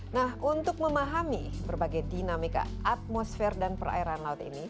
nah untuk memahami berbagai dinamika atmosfer dan perairan laut ini